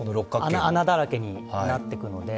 穴だらけになっていくので。